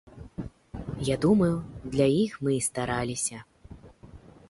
Я думаю, для іх мы і стараліся.